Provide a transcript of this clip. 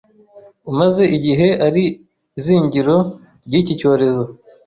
umaze igihe ari izingiro ry'iki cyorezo